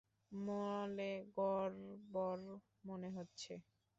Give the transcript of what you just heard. মলে গড়বড় মনে হচ্ছে।